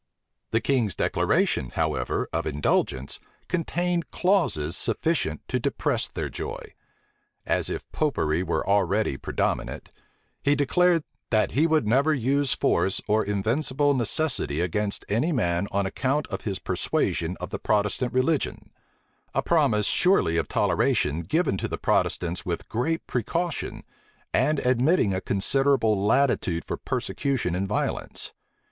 The king's declaration, however, of indulgence, contained clauses sufficient to depress their joy. As if Popery were already predominant, he declared, "that he never would use force or invincible necessity against any man on account of his persuasion of the Protestant religion;" a promise surely of toleration given to the Protestants with great precaution, and admitting a considerable latitude for persecution and violence.